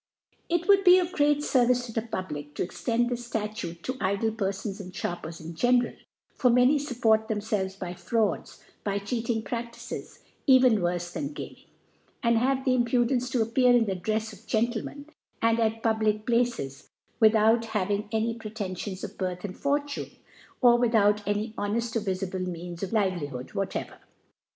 It woukl be of great Service to the. Public, to extend this Statute to idle Perfoiis and Sharpers in general ; for many fupport themfelves by Frauds, aod cheating Praflices, even worfe than Gaming ;' and have the Impudence to appear in the Drefs of Gentlemen, and at public Places, without hav ' ing any Pretenfions of Birth or Fortune^ or with , out any honeft Cr vifibfe Means of Livelihood whatever.